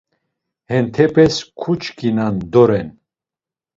Hentepes kuçkinan doren.